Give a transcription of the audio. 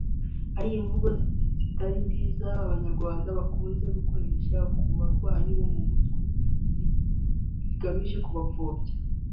Hari imvugo zitari nziza abanyarwanda bakunze gukoresha ku barwayi bo mu mutwe zigamije kubapfobya